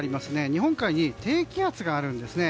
日本海に低気圧があるんですね。